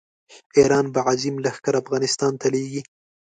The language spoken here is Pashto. ایران به عظیم لښکر افغانستان ته لېږي.